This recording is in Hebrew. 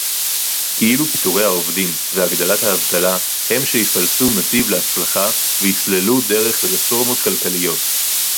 כאילו פיטורי העובדים והגדלת האבטלה הם שיפלסו נתיב להצלחה ויסללו דרך לרפורמות כלכליות